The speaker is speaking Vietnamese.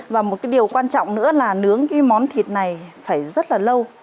và một cái điều quan trọng nữa là nướng cái món thịt này phải rất là lâu